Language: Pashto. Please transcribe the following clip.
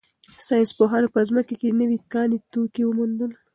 ساینس پوهانو په ځمکه کې نوي کاني توکي وموندل.